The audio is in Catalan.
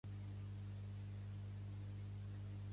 Pertany al moviment independentista el Quimet?